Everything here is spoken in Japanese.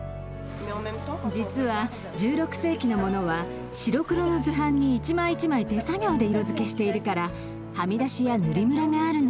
実は１６世紀のものは白黒の図版に一枚一枚手作業で色づけしているからはみ出しや塗りムラがあるの。